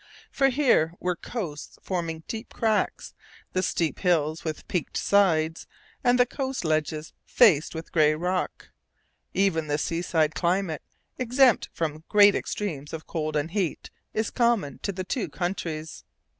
For here were coasts forming deep creeks, the steep hills with peaked sides, and the coast ledges faced with grey rock. Even the seaside climate, exempt from great extremes of cold and heat, is common to the two countries.